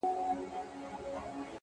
هغه هم نسته جدا سوی يمه;